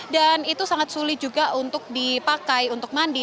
dan itu sangat sulit juga untuk dipakai untuk mandi